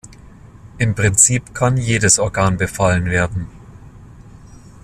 Im Prinzip kann jedes Organ befallen werden.